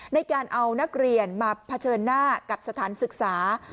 ในการเอานักเรียนมาเผชิญหน้ากับสถานศึกษา